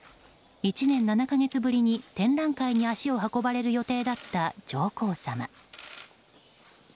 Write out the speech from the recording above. １年７か月ぶりに展覧会に足を運ばれる予定だった上皇さま。